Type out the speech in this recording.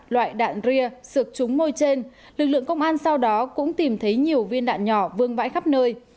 loại đạn ria sược chúng môi trên lực lượng công an sau đó cũng tìm thấy nhiều viên đạn nhỏ vương vãi khắp nơi